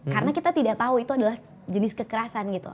karena kita tidak tahu itu adalah jenis kekerasan gitu